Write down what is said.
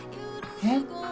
えっ？